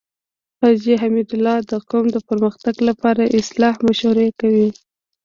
حاجی حميدالله د قوم د پرمختګ لپاره صلاح مشوره کوي.